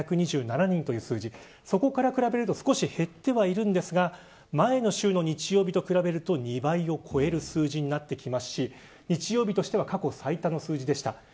そこから比べると少し減ってはいるんですが前の週の日曜日と比べると２倍を超える数字になってきますし日曜日としては過去最多の数字でした。